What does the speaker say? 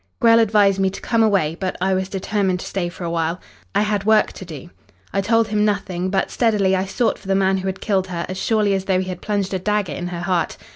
"Grell advised me to come away, but I was determined to stay for a while. I had work to do. I told him nothing, but steadily I sought for the man who had killed her as surely as though he had plunged a dagger in her heart.